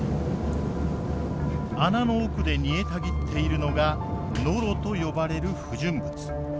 穴の奥で煮えたぎっているのがノロと呼ばれる不純物。